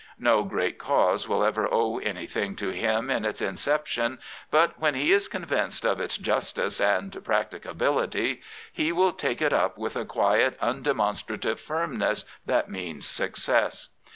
No great cause will ever owe anything to him in its inception, but when he is convinced of its justice and practicability, he will take it up with a quiet, un demonstrative firmness that means success.